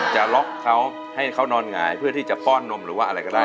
จะล็อกเขาให้เขานอนหงายเพื่อที่จะป้อนนมหรือว่าอะไรก็ได้